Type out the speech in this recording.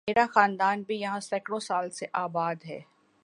میرا خاندان بھی یہاں سینکڑوں سال سے آباد ہے